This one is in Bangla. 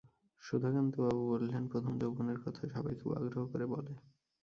সুধাকান্তবাবু বললেন, প্রথম যৌবনের কথা সবাই খুব আগ্রহ করে বলে।